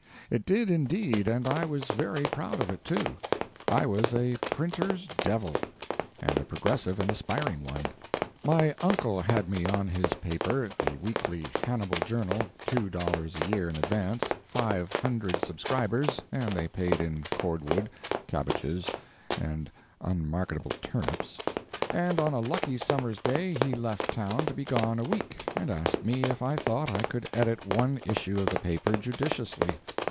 It did, indeed, and I was very proud of it, too. I was a printer's "devil," and a progressive and aspiring one. My uncle had me on his paper (the Weekly Hannibal Journal, two dollars a year in advance—five hundred subscribers, and they paid in cordwood, cabbages, and unmarketable turnips), and on a lucky summer's day he left town to be gone a week, and asked me if I thought I could edit one issue of the paper judiciously.